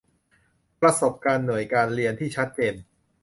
ประสบการณ์หน่วยการเรียนที่ชัดเจน